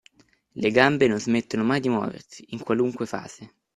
La gambe non smettono mai di muoversi, in qualunque fase.